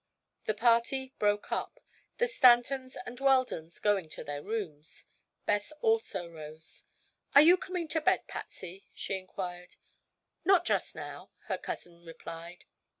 The party broke up, the Stantons and Weldons going to their rooms. Beth also rose. "Are you coming to bed, Patsy?" she inquired. "Not just now," her cousin replied.